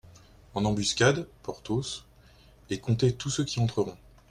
En embuscade, Porthos, et comptez tous ceux qui entreront.